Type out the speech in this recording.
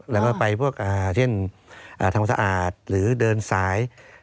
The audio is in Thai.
แล้วก็ไปพวกเช่นทำสะอาดหรือเดินสาย